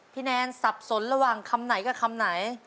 แนนสับสนระหว่างคำไหนกับคำไหน